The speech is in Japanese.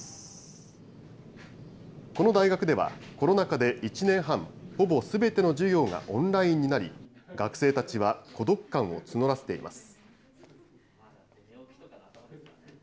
この大学では、コロナ禍で１年半、ほぼすべての授業がオンラインになり、学生たちは孤独感を募らせています。